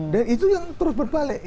dan itu yang terus berbalik